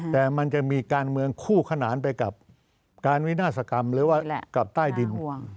แต่มันจะมีการเมืองคู่ขนานไปกับการวินาศกรรมหรือว่ากับใต้ดิน